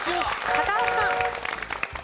高橋さん。